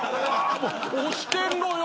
押してんのよ！